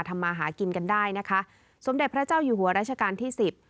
มาหากินกันได้นะคะสมเด็จพระเจ้าอยู่หัวราชการที่สิบ